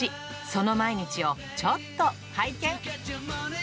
その毎日を、ちょっと拝見。